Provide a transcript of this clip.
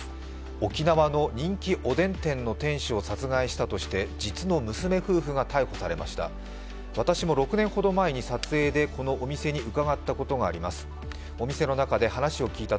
沖縄の人気おでん店の店主を殺害したとして実の娘夫婦が逮捕されました。